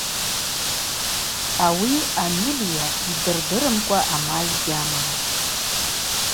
Ауи амилия йдырдырымкӏва амаль гьамам.